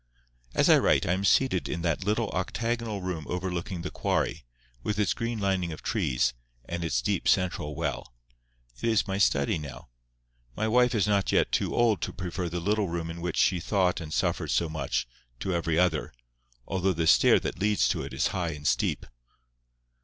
As I write I am seated in that little octagonal room overlooking the quarry, with its green lining of trees, and its deep central well. It is my study now. My wife is not yet too old to prefer the little room in which she thought and suffered so much, to every other, although the stair that leads to it is high and steep.